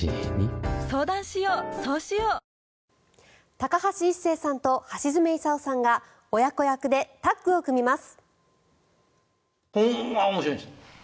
高橋一生さんと橋爪功さんが親子役でタッグを組みます。